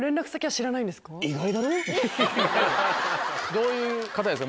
どういう方ですか？